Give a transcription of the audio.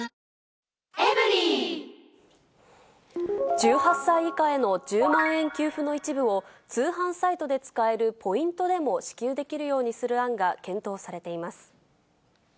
１８歳以下への１０万円給付の一部を、通販サイトで使えるポイントでも支給できるようにする案が検討されています。